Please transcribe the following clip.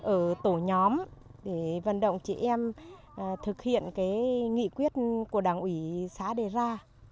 ở tổ nhóm để vận động chị em thực hiện cái nghị quyết của đảng ủy xã đề ra